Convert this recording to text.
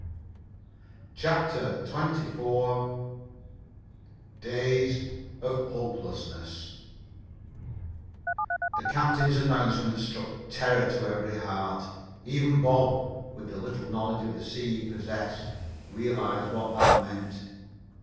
CHAPTER XXIV DAYS OF HOPELESSNESS The captain's announcement struck terror to every heart. Even Bob, with the little knowledge of the sea he possessed, realized what that meant.